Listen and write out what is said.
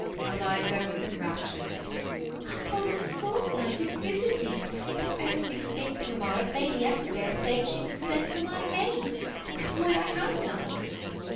Eliza was in raptures. " A whole fortnight 6f visit ing ! and only think, mamma, of Lady Eskdale saying she would send for my maid. Why, I have none."